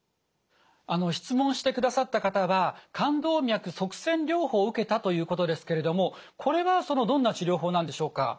質問してくださった方は肝動脈塞栓療法を受けたということですけれどもこれはどんな治療法なんでしょうか？